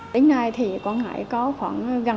tính ngay thì quảng ngãi có khoảng gần